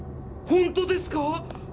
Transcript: ほんとですか？